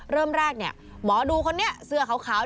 เริ่มแรกเนี่ยหมอดูคนนี้เสื้อขาว